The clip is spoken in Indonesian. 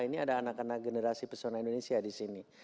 ini ada anak anak generasi pesona indonesia disini